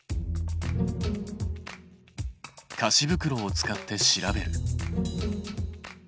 かしぶくろを使って調べる。